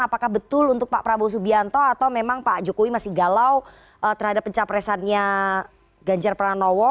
apakah betul untuk pak prabowo subianto atau memang pak jokowi masih galau terhadap pencapresannya ganjar pranowo